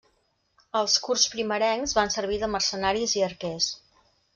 Els kurds primerencs van servir de mercenaris i arquers.